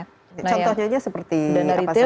contohnya seperti apa saja